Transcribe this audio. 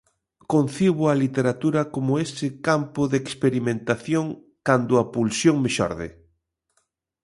Concibo a literatura como ese campo de experimentación, cando a pulsión me xorde.